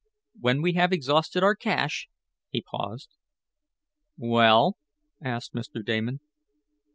When we have exhausted our cash " he paused. "Well?" asked Mr. Damon.